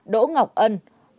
ba đỗ ngọc ân